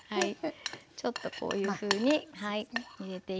ちょっとこういうふうに入れていきます。